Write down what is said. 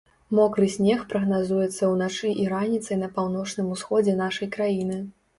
Мокры снег прагназуецца ўначы і раніцай на паўночным усходзе нашай краіны.